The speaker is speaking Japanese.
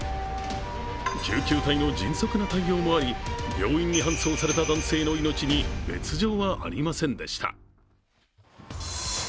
救急隊の迅速な対応もあり、病院に運ばれた男性の命に別状はありませんでした。